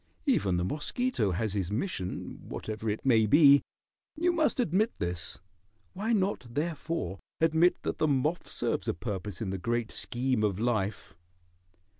Even the mosquito has his mission, whatever it may be. You must admit this. Why not, therefore, admit that the moth serves a purpose in the great scheme of life?"